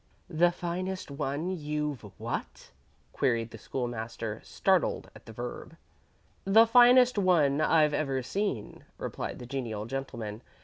"The finest one you've what?" queried the School master, startled at the verb. "The finest one I've ever seen," replied the genial gentleman.